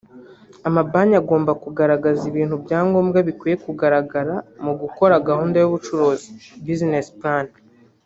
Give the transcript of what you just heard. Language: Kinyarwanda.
Amabanki agomba kugaragaza ibintu bya ngombwa bikwiye kugaragara mu gukora gahunda y’ubucuruzi (business plan)